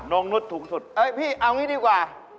งนุษย์ถูกสุดเอ้ยพี่เอางี้ดีกว่า